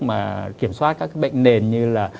mà kiểm soát các cái bệnh nền như là